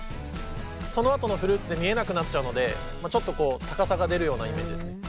そのあとのフルーツで見えなくなっちゃうのでちょっと高さが出るようなイメージですね。